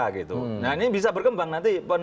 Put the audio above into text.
nah ini bisa berkembang nanti